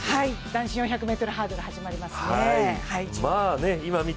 男子４００ｍハードル始まりますね。